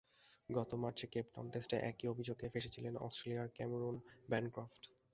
গত মার্চে কেপটাউন টেস্টে একই অভিযোগে ফেঁসেছিলেন অস্ট্রেলিয়ার ক্যামেরন ব্যানক্রফট।